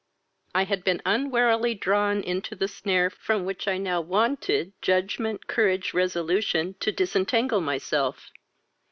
"I had been unwarily drawn into the snare from which I now wanted judgement, courage, resolution, to disentangle myself.